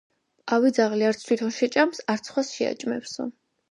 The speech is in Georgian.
ავი ძაღლი არც თითონ შეჭამს, არც სხვას შეაჭმევსო.